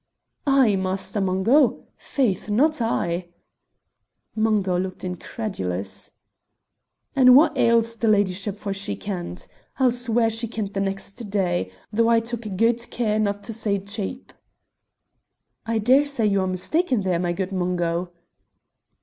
"I, Master Mungo! Faith, not I!" Mungo looked incredulous. "And what ails the ladyship, for she kent? I'll swear she kent the next day, though I took guid care no' to say cheep." "I daresay you are mistaken there, my good Mungo."